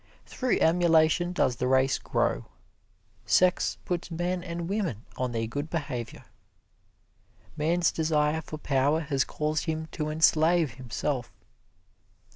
Through emulation does the race grow. Sex puts men and women on their good behavior. Man's desire for power has caused him to enslave himself.